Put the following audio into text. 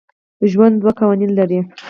ژوند دوه قوانین لري.